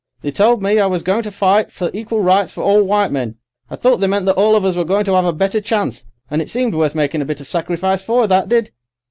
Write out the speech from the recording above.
They told me I was going to fight for equal rights for all white men. I thought they meant that all of us were going to 'ave a better chance, and it seemed worth making a bit of sacrifice for, that did.